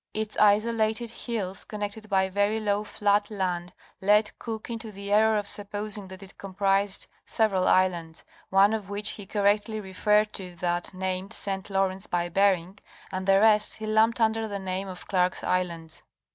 Its isolated hills con nected by very low flat land led Cook into the error of supposing that it comprised several islands, one of which he correctly referred to that named St. Lawrence by Bering and the rest he lumped under the name — of Clerke's Islands.